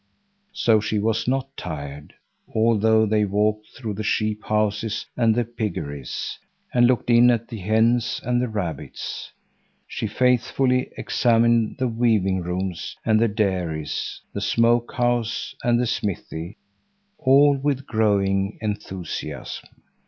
So she was not tired, although they walked through the sheep houses and the piggeries, and looked in at the hens and the rabbits. She faithfully examined the weaving rooms and the dairies, the smoke house and the smithy, all with growing enthusiasm.